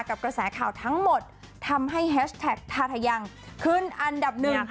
กระแสข่าวทั้งหมดทำให้แฮชแท็กทาทะยังขึ้นอันดับหนึ่ง